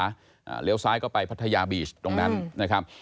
เลี้ยวซ้ายก็ไปพัทยาบีชตรงนั้นนะครับ